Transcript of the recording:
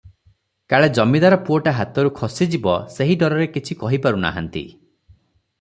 କାଳେ ଜମିଦାର ପୁଅଟା ହାତରୁ ଖସିଯିବ, ସେହି ଡରରେ କିଛି କହି ପାରୁନାହାନ୍ତି ।